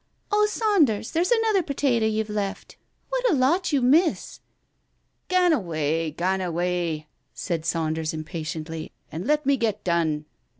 Oh, Saunders, there's another potato you've left. What a lot you miss !" "Gan awa'! .Gan awa'," said Saunders impatiently, "and let me get done.